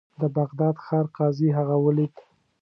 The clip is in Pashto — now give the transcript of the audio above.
د بغداد ښار قاضي هغه ولید.